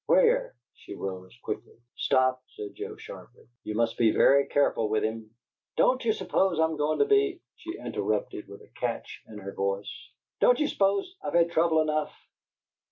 "Where?" She rose quickly. "Stop," said Joe, sharply. "You must be very careful with him " "Don't you s'pose I'm goin' to be?" she interrupted, with a catch in her voice. "Don't you s'pose I've had trouble enough?"